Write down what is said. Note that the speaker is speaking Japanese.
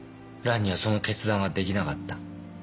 ランにはその決断ができなかった。